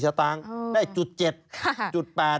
ชีวิตกระมวลวิสิทธิ์สุภาณฑ์